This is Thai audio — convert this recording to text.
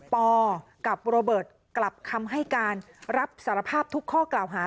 ปกับโรเบิร์ตกลับคำให้การรับสารภาพทุกข้อกล่าวหา